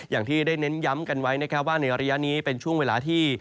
อย่างที่ได้เน้นย้ำกันไว้นะครับว่าในระยะนี้เป็นช่วงเวลาที่